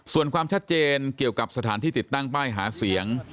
ส่วนความชัดเจนเกี่ยวกับสถานที่ติดตั้งป้ายหาเสียง